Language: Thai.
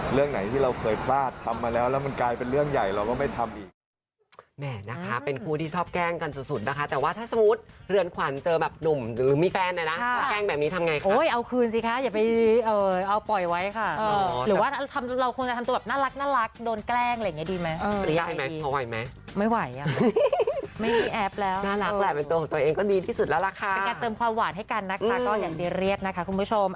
เรื่องไหนที่เราเคยพลาดทำมาแล้วแล้วมันกลายเป็นเรื่องใหญ่เราก็ไม่ทำอีก